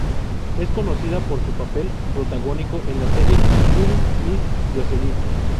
Es conocida por su papel protagónico en la serie "Little Miss Jocelyn".